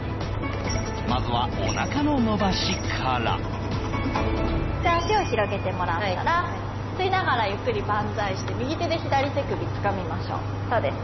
まずはお腹の伸ばしから足を広げてもらったら吸いながらゆっくりバンザイして右手で左手首つかみましょうそうです